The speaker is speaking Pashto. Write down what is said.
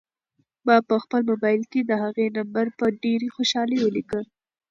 ما په خپل موبایل کې د هغې نمبر په ډېرې خوشحالۍ ولیکه.